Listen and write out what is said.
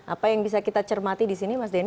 apa yang bisa kita cermati di sini mas denn